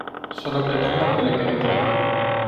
solo pretendo que le quede claro.